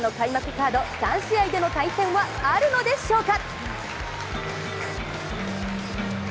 カード３試合での対戦はあるのでしょうか。